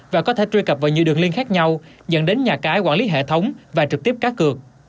và có thể truy cập vào nhiều đường liên khác nhau dẫn đến nhà cái quản lý hệ thống và trực tiếp cá cược